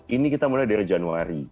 ini kita mulai dari januari